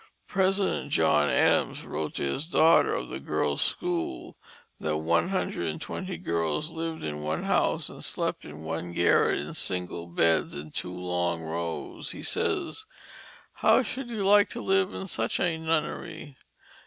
President John Adams wrote to his daughter of the girls' school that one hundred and twenty girls lived in one house and slept in one garret in single beds in two long rows. He says, "How should you like to live in such a nunnery?"